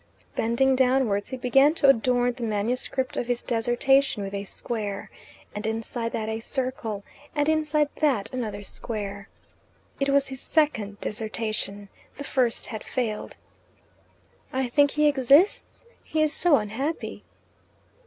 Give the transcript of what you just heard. Bending downwards he began to adorn the manuscript of his dissertation with a square, and inside that a circle, and inside that another square. It was his second dissertation: the first had failed. "I think he exists: he is so unhappy."